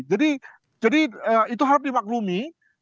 jadi itu harap dimaklumi